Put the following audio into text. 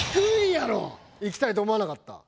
行きたいと思わなかった？